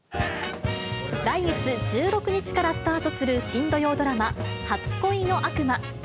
来月１６日からスタートする新土曜ドラマ、初恋の悪魔。